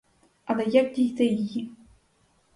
Але як дійти її?